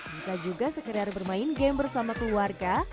bisa juga sekedar bermain game bersama keluarga